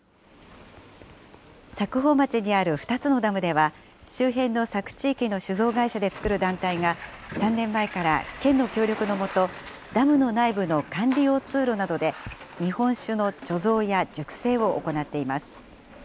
佐久穂町にある２つのダムでは、周辺の佐久地域の酒造会社でつくる団体が、３年前から県の協力の下、ダムの内部の管理用通路などで、日本酒の貯蔵や熟成を行っています。